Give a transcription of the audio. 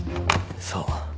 そう。